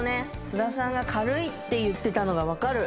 須田さんが軽いって言ってたのがわかる。